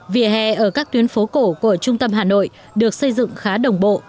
vỉa hè ở các tuyến phố cổ của trung tâm hà nội được xây dựng khá đồng bộ